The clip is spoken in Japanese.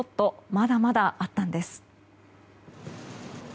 まだまだあったんです。